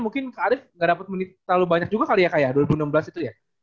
mungkin kak arief nggak dapat menit terlalu banyak juga kali ya kak ya dua ribu enam belas itu ya